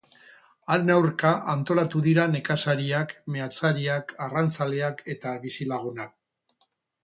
Haren aurka antolatu dira nekazariak, meatzariak, arrantzaleak eta bizilagunak.